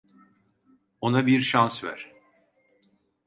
Ona bir şans ver.